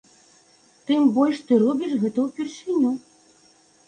Тым больш ты робіш гэта ўпершыню.